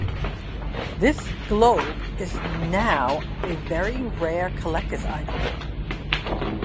This globe is now a very rare collector's item.